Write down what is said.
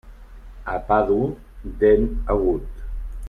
A pa dur, dent agut.